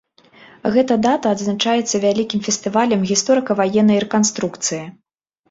Гэта дата адзначаецца вялікім фестывалем гісторыка-ваеннай рэканструкцыі.